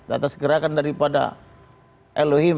atas gerakan daripada elohim